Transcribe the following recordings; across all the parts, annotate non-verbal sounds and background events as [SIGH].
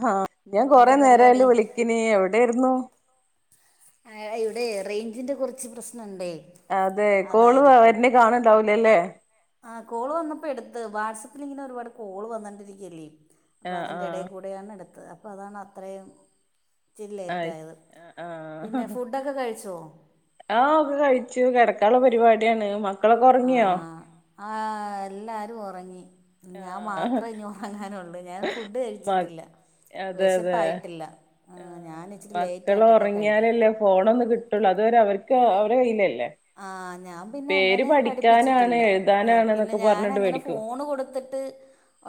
ഹാ ഞാൻ കൊറെ എന്താ പരിപാടി നേരായലോ വിളിക്കിന് എവിടയാരുന്നു ആ ഇവിടെ റേഞ്ചിന്റെ കുറച്ച് പ്രസ്നംഉണ്ടെ അതെ കോള് വരെന്നെ കാണണ്ടാവലല്ലേ ആ കോള് വന്നപ്പോൾ എടുത്ത് വാട്സപ്പിലിങ്ങനെ ഒരുപാട് കോള് വന്നണ്ടിരിക്കുല്ലേ അപ്പ ആഹ് അതിന്റെ ആഹ് ഇടകൂടെയാണ് എടുത്തത് അപ്പ അതാണ് അത്രയും ഇച്ചിരി അ ലേറ്റ് ആയത് ആ പിന്നെ ഫുഡൊക്കെ കഴിച്ചോ ആ ഒക്കെ കഴിച്ചു കടക് ള്ള പരിപാടിയാണ് മക്കളൊക്കെ ആ ഒറങ്ങിയോ ഒറങ്ങി ഞാൻ മാത്രേ ഇനി ഒറങ്ങാനുള്ള് ഞാൻ ഫുഡ് മ കഴിച്ചിട്ടില്ല അതെ അതെ വിശപ്പായിട്ടില്ല ആ ഞാൻ ഇച്ചിരി മക്കൾ ലേറ്റായിട്ടൊക്കെ കഴിക്കൂ ഒറങ്ങിയാലല്ലേ ഫോണൊന്ന് കിട്ടുള്ളൂ അ അതുവരെ അവർക്ക് അവരെ കയ്യില്ലല്ലേ ആ ഞാൻ പിന്നെ അങ്ങനെ പഠിക്കാനാണ് പഠിപ്പിച്ചിട്ടില്ല എഴുതാനാണ് പിന്നെ എന്നൊക്കെ ഞാൻ പറഞ്ഞിട്ട് അങ്ങനെ വേടിക്കും ഫോണ് കൊടുത്തിട്ട്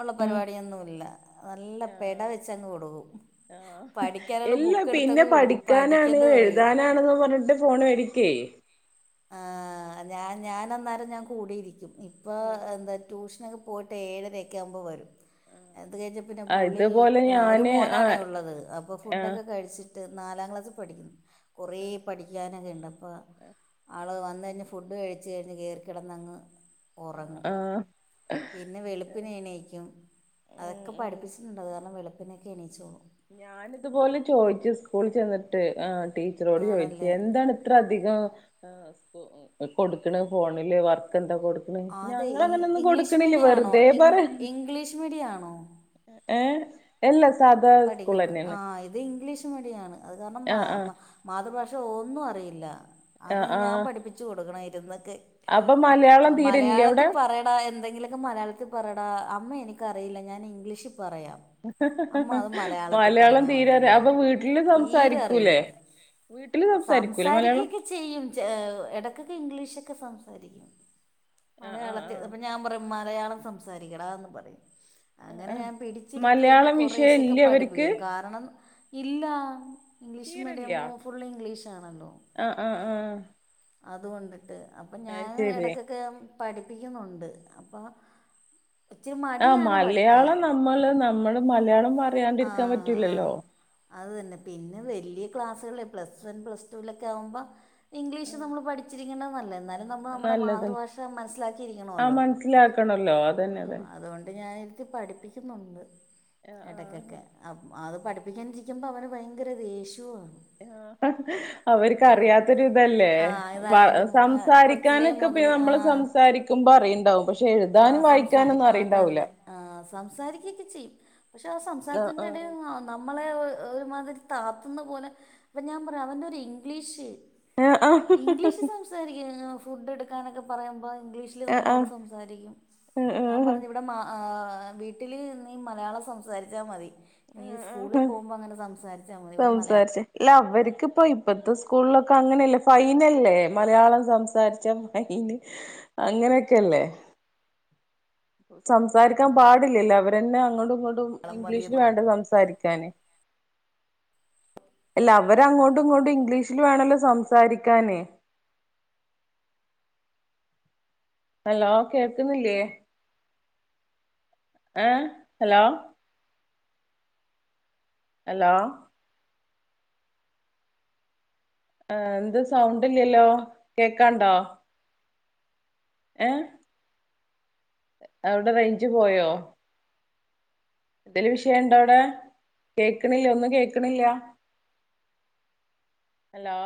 ഉള്ള പരിപാടിയൊന്നുല്ല നല്ല പെട വെച്ചങ്ങ് കൊടുക്കും ആ പഠിക്കാനുള്ള എല്ലാ ബുക്ക് പിന്നെ എടുത്തങ്ങ് കൊടുക്കും പഠിക്കാനാണ് പഠിക്കെന്ന് പറയും എഴുതാനാണ്ന്ന് പറഞ്ഞിട്ട് ഫോൺ മേടിക്കേ ആ ഞാൻ ഞാൻ അന്നേരം ഞാൻ കൂടിയിരിക്കും ഇപ്പൊ ആഹ് ആഹ് എന്താ ട്യൂഷനൊക്കെ പോയിട്ട് ഏഴരയൊക്കെ ആമ്പോ വരും ആഹ് അത് കഴിഞ്ഞ് പിന്നെ ആ പുള്ളി ഇതുപോലെ ഒരു ഞാന് ആ മോനാണ് ഉള്ളത് അപ്പൊ ആ ഫുഡ് ഒക്കെ കഴിച്ചി നാലാം ക്ലാ പഠിക്കുന്നു കുറേ പഠിക്കാനൊക്കെ ഉണ്ട് അപ്പോ ആള് വന്ന് ന്നാ ഫുഡ് കഴിച്ച്ച് കഴിഞ്ഞ് കറിടന്നങ്ങ് ആ പിന്നെ വെളുപ്പിനെ എണീക്കും ഉം അതൊക്കെ പഠിപ്പിച്ചിട്ടുണ്ട് അത് കാരണം വെളുപ്പിനൊക്കെ എണീച്ചോളും ഞാാനിതുപോലെ ചോദിച്ചു സ്കൂള് ചെന്നിട്ട് ആ ടീച്ചറോട് ചോദിച്ചു ആണല്ലേ എന്താണ് ഇത്ര അധികം ആ കൊടുക്കണ ഫോണില് വർക്ക് കൊടുക്കണ് അ അതെ ഞങ്ങള് അങ്ങനൊന്നും ഇംഗ്ലീഷ് കൊടുക്കണില്ല മീഡിയം ആണോ വെറുതെ ഇ പറ ഇംഗ്ലീഷ് മീഡിയം ആണോ ഏ എല്ലാ സാധാ സ്കൂൾ പഠിക്കുന്ന തന്നെയാണ് ആ ഇത് ഇംഗ്ലീഷ് മീഡിയണ് അത് കാരണം ആ ആ മാതൃഭാഷ പക്ഷെ ഒന്നും അറിയില്ല ആ അത് ആ ഞാൻ പഠിപ്പിച്ചച്ച് കൊടുക്കണ ഇരുന്ന് അപ്പൊ മലയാളം തീരെല്ലേ അവിടെ മലയാളത്തിൽ പറയടാ എന്തെങ്കിലുമൊക്കെ മലയാളത്തിൽ പറ അമ്മ എനിക്കറിയില്ല ഞാൻ ഇംഗ്ലീഷിൽ പറയാം അമ്മ അത് മലയാളത്തിൽ മലയാളം പറഞ്ഞാൽ തീര മതി എന്ന് അപ്പൊ വീട്ടില് സംസാരിക്കൂലേ വീട്ടില് സംസാരിക്കൂലേ മലയാളം സംസാരിക്കുകൊക്കെ ചെയ്യും ഇടക്കൊക്കെ ഇംഗ്ലീഷ് ഒക്കെ സംസാരിക്കും ആ ആ ആ മലയാളത്തിൽ അപ്പോ ഞാൻ പറയും മല മലയാളം സംസാരിക്കടാ ന്ന് പറയും അങ്ങനെ ഞാൻ പിടിച്ചിരുത്തികെ മലയാളം വിഷയം ശക്കെ ഇല്ലേ അവർക്ക് പഠിപ്പിക്കും കാരണം ഇല്ല ഇംഗ്ലീഷ് മീഡിയമോ ഫുൾ ഇംഗ്ലീഷ് ആണല്ല ആ ആ ആ അതുകൊണ്ടിട്ട് അപ്പം ഞാൻ ഇടക്കൊക്കെ പഠിപ്പിക്കുന്നുണ്ട് അപ്പൊ ആ മലയാളം നമ്മള് നമ്മള് മലയാളം പറയാണ്ടിരിക്കാൻ പറ്റൂലല്ലോ അതു തന്നെ പിന്നെ വലിയ ക്ലാസ്സുകൾ പ്ലസ് വൺ പ്ലസ് ടു വിലൊക്കെ ആകുമ്പോൾ ആ ഇംഗ്ലീഷ് നമ്മൾ പഠിച്ചിരിക്കുണത് നല്ലത് നെ നമ്മൾ നമ്മുടെ നല്ലത് മാതൃഭാഷ ആഹ് മനസിലാക്കിയിരിക്കണല്ലോ മനസ്സിലാക്കണല്ലോ അതന്നെ അതന്നെ അതുകൊണ്ട് ഞൻ പഠിപ്പിക്കുന്നുണ്ട് ആഹ് ആഹ് ഇടക്കൊക്കെഅപ്പ് അത് പഠിപ്പിക്കേണ്ടിരിക്കുമ്പ അവന് ഭയങ്കര ദേഷ്യോ. അവർക്ക്റിയാത്തൊരു ഇതല്ലേ ആ ഇതായതുകൊണ്ട് കൊച്ചിലേ സംസാരിക്കാനൊക്കെ- മുതൽ ആ നമ്മള് സംസാരിക്കുമ്പോ അറിയണ്ടാവും പക്ഷെ ആ എഴുതാനും വായിക്കാനൊന്നും അറിയണ്ടാവൂല. ക്കച്ചെയും പക്ഷെ ആ സംസാരത്തിന്റെ ഇടൽ ആഹ് നമ്മളെ ഒരുമാതിരി- തത്തുന്ന പോലെ ഇപ്പൊ ഞാൻ പറയാ അവന്റെ ഒരു ഇംഗ്ലീഷ്- ആഹ് ഇംഗ്ലീഷ് സംസാരിക്ക ഫുഡ് എടുക്കാനൊക്കെ പറയുമ്പോ- ഇംഗ്ലീഷില് ആഹ് ആഹ് നമ്മളോട് സംസാരിക്കും ഞാൻ ആഹ് പറഞ്ഞു ഇവിടെ മാ - വീട്ടിൽ നീ മലയാളം സംസാരിച്ചാൽ മതി നീ ആഹ് സ്കൂളിൽ ആഹ് പോകുമ്പോൾ അങ്ങനെ സംസാരിക്ക് - നമ്മളിവിടെ മലയാളം. സംസാരിച്ച് ഇല്ല അവർക്കിപ്പ ഇപ്പത്തെ സ്കൂളിലൊക്കെ അങ്ങനെയല്ലേ ഫൈനല്ലേ മലയാളം സംസാരിച്ച ഫ- അങ്ങനെയൊക്കെല്ലേ. സംസാരിക്കാൻ പാടില്ലല്ലോ അവരന്നെ അങ്ങോട്ടും, - ങ്ങോട്ടും മതി ഇംഗ്ലീഷില് വേണ്ട സംസാരിക്കാന്. അല്ല അവര അങ്ങോട്ടും ഇങ്ങോട്ടും ഇംഗ്ലീഷില് വേണല്ലോ സംസാരിക്കന്. [UNINTELLIGIBLE] ഹലോ കേൾക്കുന്നില്ലേ? ആഹ് ഹലോ. ഹലോ ആർ എന്ത് സൗണ്ട്ഇല്ലല്ലോ കേക്കാണ്ടോ? ഏ അവിടെ റെയിഞ്ച് പോയോ? എന്തേലും വിഷയം ണ്ടോ അവിടെ കേക്കണില്ല ഒന്നും കേക്കണില്ല? ഹലോ.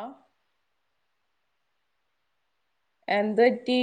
എന്ത് പറ്റി?